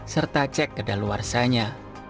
serta cek kedaluarsanya